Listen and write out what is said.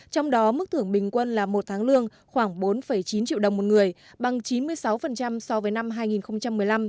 trong đó mức thưởng bình quân là một tháng lương khoảng bốn chín triệu đồng một người bằng chín mươi sáu so với năm hai nghìn một mươi năm